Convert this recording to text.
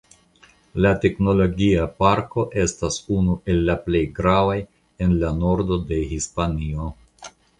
La Teknologia Parko estas unu de la plej gravaj en la nordo de Hispanio.